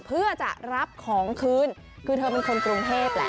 เพื่อจะรับของคืนคือเธอเป็นคนกรุงเทพแหละ